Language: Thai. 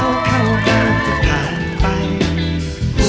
ขอเชิญอาทิตย์สำคัญด้วยค่ะ